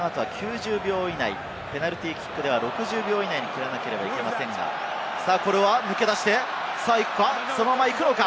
トライの後は９０秒以内、ペナルティーキックでは６０秒以内に蹴らなければいけませんが、さぁこれは抜け出して、そのままいくのか？